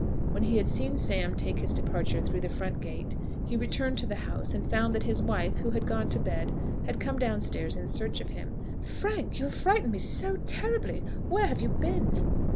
When he had seen Sam take his departure through the front gate, he returned to the house, and found that his wife, who had gone to bed, had come down stairs in search of him. "Frank, you have frightened me so terribly! Where have you been?"